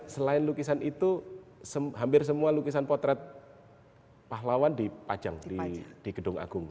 selain lukisan itu hampir semua lukisan potret pahlawan dipajang di gedung agung